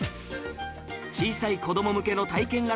小さい子ども向けの体験型